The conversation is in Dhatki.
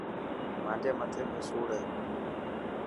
مانجي مٿي ۾ سوڙ هي.